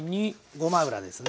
ごま油ですね。